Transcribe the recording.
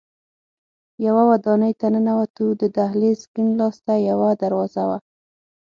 یوه ودانۍ ته ننوتو، د دهلېز کیڼ لاس ته یوه دروازه وه.